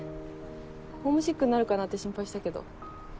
ホームシックになるかなって心配したけど。